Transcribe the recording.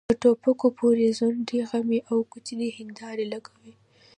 په ټوپکو پورې ځونډۍ غمي او کوچنۍ هيندارې لګوي.